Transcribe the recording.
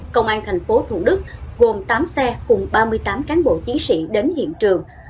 công an tp thủ đức gồm tám xe cùng ba mươi tám cán bộ chiến sĩ đến hiện trường